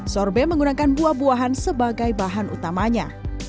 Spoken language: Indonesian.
sorbet menggunakan buah buahan sebagai bahan utamanya